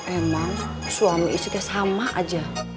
emang suami istri dia sama aja